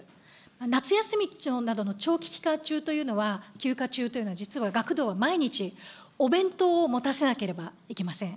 夏休みなどの長期期間中というのは、休暇中というのは、実は学童は毎日、お弁当を持たせなければいけません。